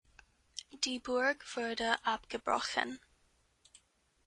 Die Burg wurde abgebrochen.